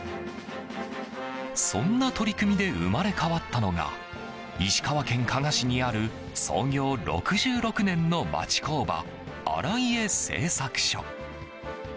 そんな取り組みで生まれ変わったのが石川県加賀市にある創業６６年の町工場新家製作所。